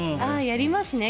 やりますね。